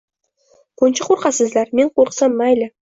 Buncha qo’rqasizlar? Men qo’rqsam, mayli